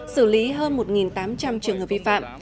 xử lý hơn một tám trăm linh trường hợp vi phạm